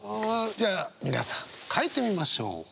じゃあ皆さん書いてみましょう。